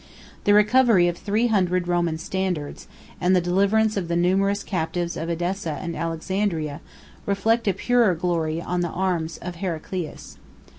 The recovery of three hundred Roman standards, and the deliverance of the numerous captives of Edessa and Alexandria, reflect a purer glory on the arms of Heraclius.